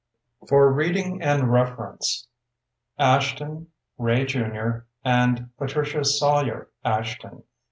For Reading and Reference Ashton, Ray Jr., and Patricia Sawyer Ashton.